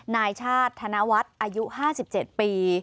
นายชาติธนวัฒน์อายุ๕๗ปี